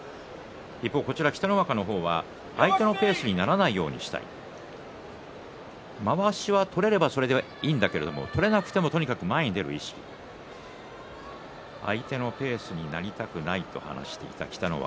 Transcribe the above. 北の若の方は、相手のペースにならないようにしたいまわしが取れればそれでいいんだけれども取れなくてもとにかく前に出る相手のペースになりたくないと話していた北の若。